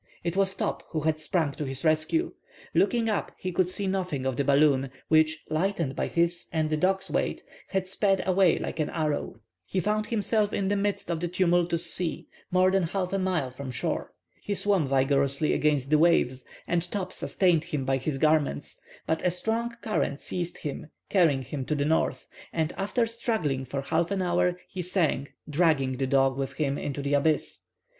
It was Top, who had sprung to his rescue. Looking up, he could see nothing of the balloon, which, lightened by his and the dog's weight, had sped away like an arrow. He found himself in the midst of the tumultuous sea, more than half a mile from shore. He swum vigorously against the waves, and Top sustained him by his garments; but a strong current seized him, carrying him to the north, and, after struggling for half an hour, he sank, dragging the dog with him into the abyss.